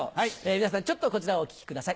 皆さんちょっとこちらをお聴きください。